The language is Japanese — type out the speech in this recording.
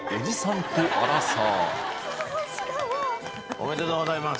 おめでとうございます。